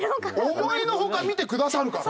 思いの外見てくださるから。